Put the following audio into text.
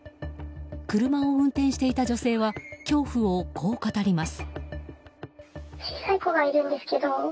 車を運転していた女性は恐怖をこう語ります。